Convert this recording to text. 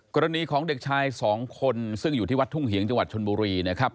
กรณีของเด็กชายสองคนซึ่งอยู่ที่วัดทุ่งเหียงจังหวัดชนบุรีนะครับ